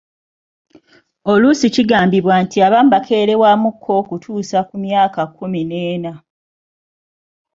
Oluusi kigambibwa nti abamu bakeerewamuuko okutuusa ku myaka kkumi n'ena.